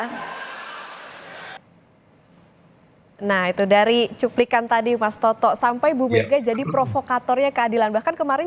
hai nah itu dari cuplikan tadi mas toto sampai bumega jadi provokatornya keadilan bahkan kemarin